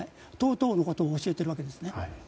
そういうことを教えているわけですね。